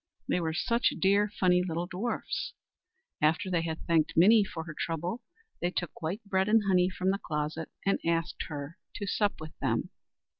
They were such dear funny little dwarfs! After they had thanked Minnie for her trouble, they took white bread and honey from the closet and asked her to sup with them.